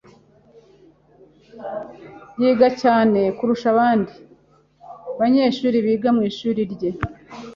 Yiga cyane kurusha abandi banyeshuri biga mu ishuri rye.